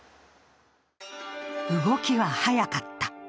動きは早かった。